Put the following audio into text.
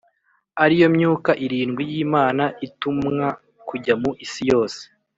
ari yo Myuka irindwi y’Imana itumwa kujya mu isi yose.